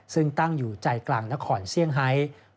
ซึ่งตั้งอยู่ใจกลางนครเซี่ยงไฮ